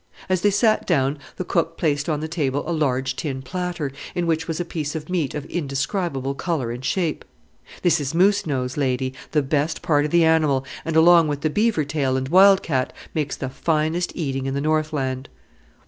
As they sat down the cook placed on the table a large tin platter, in which was a piece of meat of indescribable colour and shape. "This is moose nose, lady, the best part of the animal, and along with the beaver tail and wild cat makes the finest eating in the Northland."